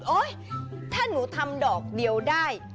ถ้าหนูทำดอกเดียวได้